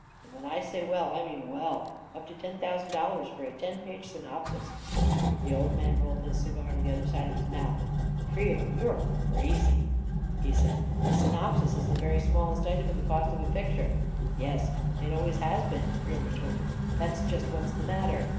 And when I say well, I mean well — up to ten thousand dollars for a ten page synopsis. 9 ' The old man rolled his cigar to the other side of his mouth. " Creel, you're crazy," he said. 4< The synopsis is the very smallest item in the cost of a picture." Yes — it always has been !" Creel retorted. That's just what's the matter!